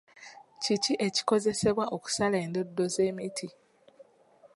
Kiki ekikozesebwa okusala endoddo z'emiti?